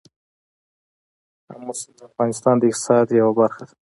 آمو سیند د افغانستان د اقتصاد یوه برخه ده.